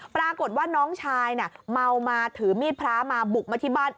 ปรากฏว่าน้องชายเมามาถือมีดพระมาบุกมาที่บ้าน